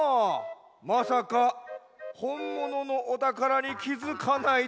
まさかほんもののおたからにきづかないとは。